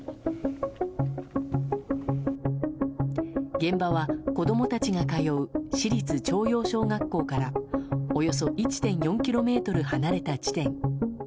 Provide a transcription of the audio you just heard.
現場は、子供たちが通う市立朝陽小学校からおよそ１．４ｋｍ離れた地点。